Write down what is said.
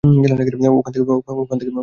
ওখান থেকে আসছে শব্দটা!